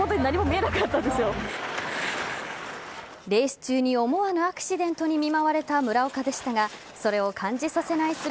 レース中に思わぬアクシデントに見舞われた村岡でしたがそれを感じさせない